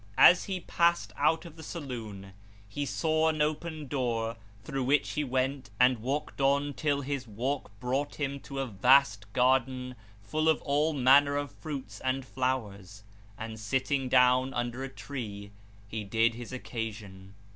As he passed out of the saloon he saw an open door through which he went and walked on till his walk brought him to a vast garden full of all manner fruits and flowers; and, sitting down under a tree, he did his occasion.